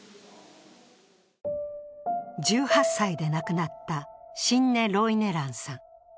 １８歳で亡くなったシンネ・ロイネランさん。